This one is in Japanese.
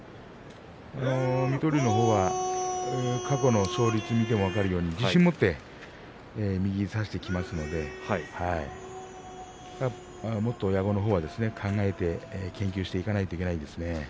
水戸龍は過去の勝率を見ても分かるように、自信を持って右を差してきますのでもっと矢後のほうは考えて研究していかないといけませんね。